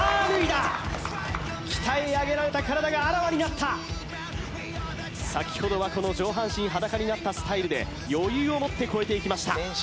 鍛え上げられた体があらわになった先ほどはこの上半身裸になったスタイルで余裕を持って越えていきました